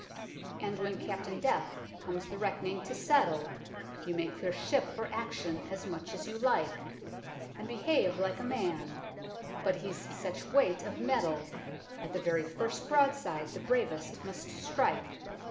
And when Captain Death comes the reck'ning to settle. You may clear ship for action as much as you like, And behave like a man ; b'ut he's such weight of metal. At the very first broadside the bravest must strike.